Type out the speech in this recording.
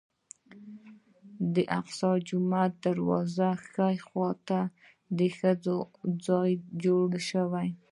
د الاقصی جومات د دروازې ښي خوا ته ښځو ته ځای جوړ شوی.